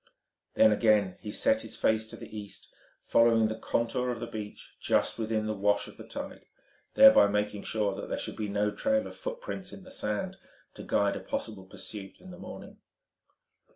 Then again he set his face to the east, following the contour of the beach just within the wash of the tide: thereby making sure that there should be no trail of footprints in the sand to guide a possible pursuit in the morning.